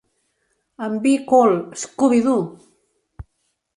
En Be Cool, Scooby-Doo!